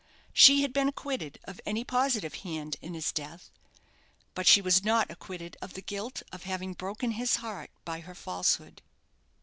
She had been acquitted of any positive hand is his death; but she was not acquitted of the guilt of having broken his heart by her falsehood.